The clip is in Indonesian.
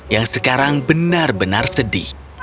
yang sekarang benar benar sedih